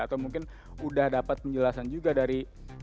atau mungkin udah dapat penjelasan juga dari